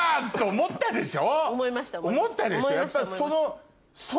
思ったでしょ？